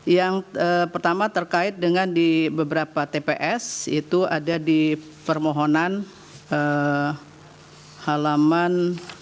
yang pertama terkait dengan di beberapa tps itu ada di permohonan halaman